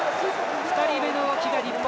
２人目の動きが日本